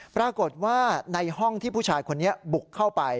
ปรากฏว่าในห้องที่ผู้ชายคนนี้บุกเข้าไป